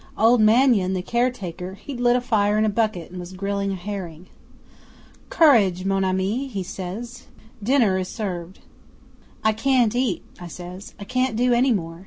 Old Maingon, the caretaker, he'd lit a fire in a bucket and was grilling a herring. '"Courage, mon ami," he says. "Dinner is served." '"I can't eat," I says. "I can't do any more.